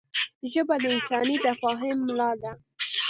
ژبه د انساني تفاهم ملا ده